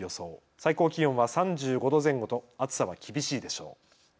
最高気温は３５度前後と暑さが厳しいでしょう。